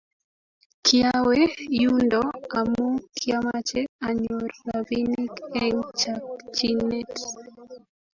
kiawe yundo amu kiamache anyor robinik eng chakchyinet